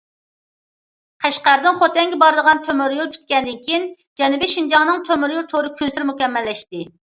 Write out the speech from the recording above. قەشقەردىن خوتەنگە بارىدىغان تۆمۈر يول پۈتكەندىن كېيىن، جەنۇبىي شىنجاڭنىڭ تۆمۈر يول تورى كۈنسېرى مۇكەممەللەشتى.